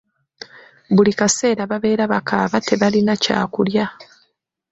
Buli kaseera babeera bakaaba tebalina kyakulya.